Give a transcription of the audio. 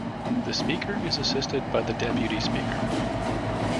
The Speaker is assisted by the Deputy Speaker.